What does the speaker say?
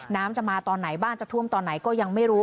น้ำจะมาตอนไหนบ้านจะท่วมตอนไหนก็ยังไม่รู้